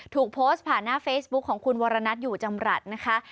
ถูกโพสต์ผ่านหน้าเฟซบุ๊คของคุณวรณัทอยู่จำรัฐนะคะ